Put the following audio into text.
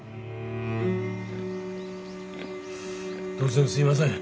突然すいません。